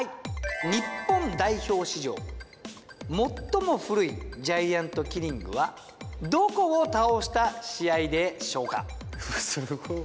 日本代表史上最も古いジャイアントキリングはどこを倒した試合でしょうか？